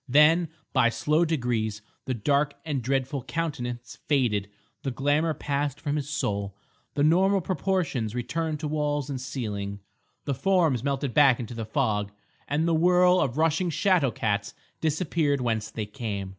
Then, by slow degrees, the dark and dreadful countenance faded, the glamour passed from his soul, the normal proportions returned to walls and ceiling, the forms melted back into the fog, and the whirl of rushing shadow cats disappeared whence they came.